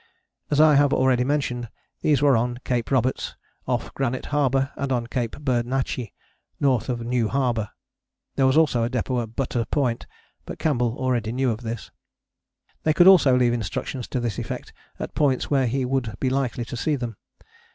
As I have already mentioned, these were on Cape Roberts, off Granite Harbour, and on Cape Bernacchi, north of New Harbour: there was also a depôt at Butter Point, but Campbell already knew of this. They could also leave instructions to this effect at points where he would be likely to see them.